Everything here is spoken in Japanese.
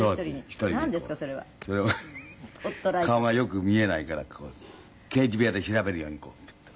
「それは顔がよく見えないから刑事部屋で調べるようにこうピュッと」